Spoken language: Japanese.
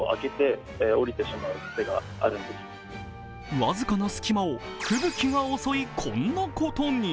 僅かな隙間を吹雪が襲い、こんなことに。